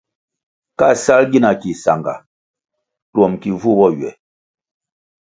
Ka sal gina ki sanga, twom ki vu bo ywe.